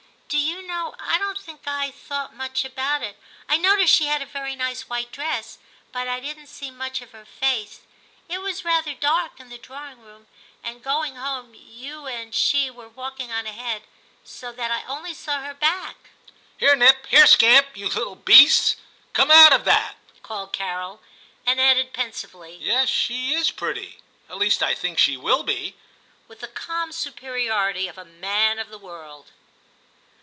Do you know, I don't think I thought much about it ; I noticed she had a very nice i8o TIM CHAP. white dress, but I didn't see much of her face ; it was rather dark in the drawing room, and going home you and she were walking on ahead, so that I only saw her back.' * Here, Nip; here, Scamp, you little beasts! come out of that !' called Carol, and added pensively, * Yes, she is pretty ; at least I think she will be,' with the calm superiority of a man of the world.